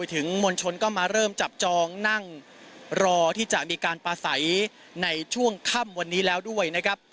ถึงมวลชนก็มาเริ่มจับจองนั่งรอที่จะมีการปลาใสในช่วงค่ำวันนี้แล้วด้วยนะครับ